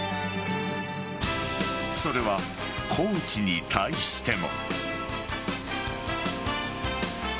それはコーチに対しても。